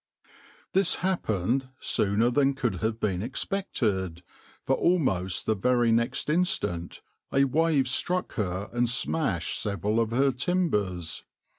\par This happened sooner than could have been expected, for almost the very next instant a wave struck her and smashed several of her timbers.